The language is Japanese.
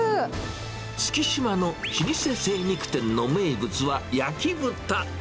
月島の老舗精肉店の名物は焼き豚。